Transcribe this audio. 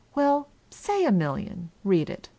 — well, say a million, read it.